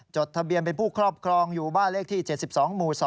จดทะเบียนเป็นผู้ครอบครองอยู่บ้านเลขที่๗๒หมู่๒